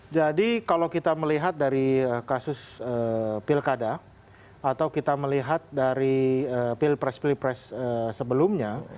jadi kalau kita melihat dari kasus pilkada atau kita melihat dari pilpres pilpres sebelumnya